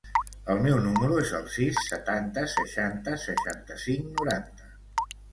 El meu número es el sis, setanta, seixanta, seixanta-cinc, noranta.